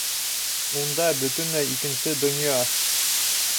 Унда бөтөнләй икенсе донъя!